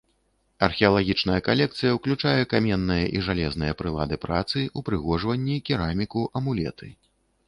Археалагічная калекцыя ўключае каменныя і жалезныя прылады працы, упрыгожванні, кераміку, амулеты.